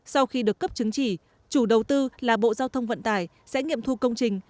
sau khi được cấp chứng chỉ chủ đầu tư là bộ giao thông vận tải sẽ nghiệm thu công trình